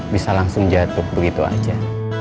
bisa langsung jatuh begitu aja